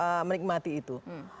semua menikmati itu